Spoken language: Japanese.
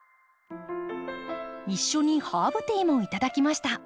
一緒にハーブティーもいただきました。